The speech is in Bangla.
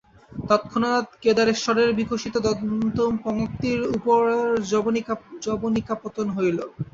তৎক্ষণাৎ কেদারেশ্বরের বিকশিত দন্তপংক্তির উপর যবনিকাপতন হইল।